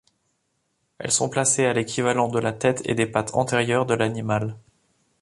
Elles sont placées à l'équivalent de la tête et des pattes antérieures de l'animal.